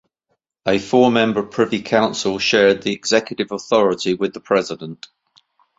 A four-member Privy Council shared the executive authority with the President.